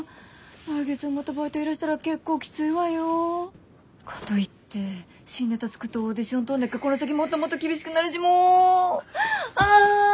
来月もまたバイト減らしたら結構キツいわよ。かといって新ネタ作ってオーディション通んなきゃこの先もっともっと厳しくなるしもうあ。